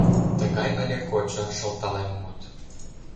Тыгай ыле кочо шылталеммут.